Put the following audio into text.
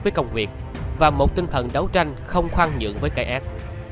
với công việc và một tinh thần đấu tranh không khoan nhượng với cây ác